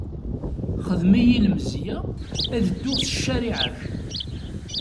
Xedm-iyi lemziya ad dduɣ s ccariɛa-k.